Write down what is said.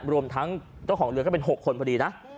รวมทั้งเจ้าของเรือก็เป็น๖คนพอดีนะ